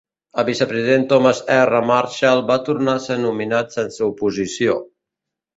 El vicepresident Thomas R. Marshall va tornar a ser nominat sense oposició.